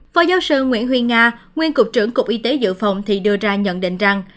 phó giáo sư nguyễn huy nga nguyên cục trưởng cục y tế dự phòng thì đưa ra nhận định rằng